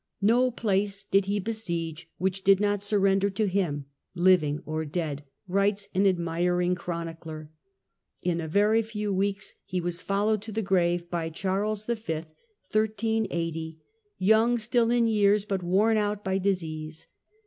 " No place did he besiege which did not surrender Death of to him, living or dead !" writes an admiring Chronicler. 1380 ^^ 'In a very few weeks he was followed to the grave by Charles V., young still in years, but worn out by disease.